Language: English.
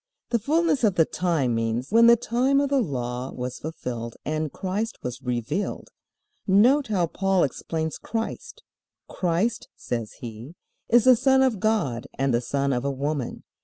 "The fullness of the time" means when the time of the Law was fulfilled and Christ was revealed. Note how Paul explains Christ. "Christ," says he, "is the Son of God and the son of a woman.